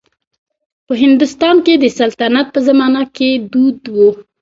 په هندوستان کې د سلطنت په زمانه کې دود و.